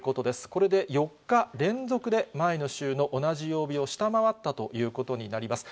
これで４日連続で前の週の同じ曜日を下回ったということになります。